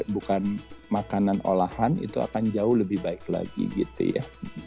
bukan makanan olahan itu akan jauh lebih baik lagi gitu ya